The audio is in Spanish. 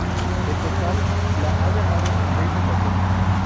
En total, la ha ganado en seis ocasiones.